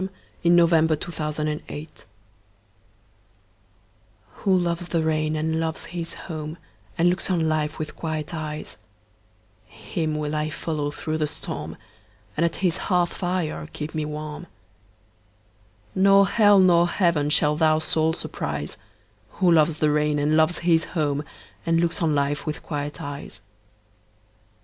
1917. Who Loves the Rain By Frances Shaw WHO loves the rainAnd loves his home, And looks on life with quiet eyes, Him will I follow through the storm; And at his hearth fire keep me warm; Nor hell nor heaven shall that soul surprise, Who loves the rain, And loves his home, And looks on life with quiet eyes.